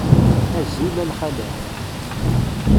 Azul a lxalat.